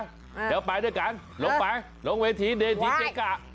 เดี๋ยวไปด้วยกันลงไปลงเวทีเดทีเจ๊กะ